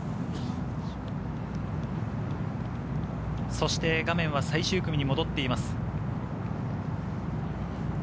そして画面は最終組に戻っています。